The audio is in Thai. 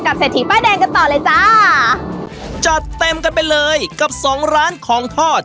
เศรษฐีป้ายแดงกันต่อเลยจ้าจัดเต็มกันไปเลยกับสองร้านของทอด